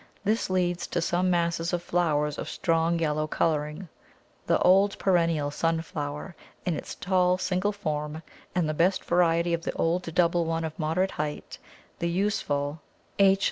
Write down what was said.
This leads to some masses of flowers of strong yellow colouring; the old perennial Sunflower, in its tall single form, and the best variety of the old double one of moderate height, the useful _H.